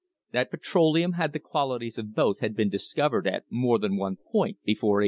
That petroleum had the qualities of both had been discovered at more than one point before 1850.